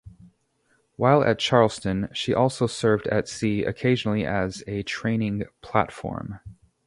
While at Charleston, she also served at sea occasionally as a training platform.